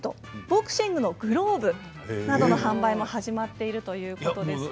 ボクシングのグローブなどの販売も始まっているということです。